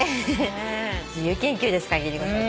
「自由研究」ですか貴理子さん。